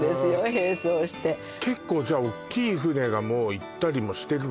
並走して結構じゃあ大きい船がもう行ったりもしてるの？